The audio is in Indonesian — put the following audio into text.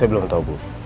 saya belum tau bu